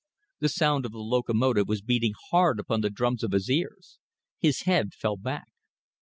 The sound of the locomotive was beating hard upon the drums of his ears. His head fell back.